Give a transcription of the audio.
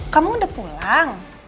kamu udah pulang